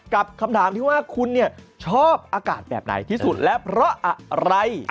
คำถามที่ว่าคุณชอบอากาศแบบไหนที่สุดและเพราะอะไร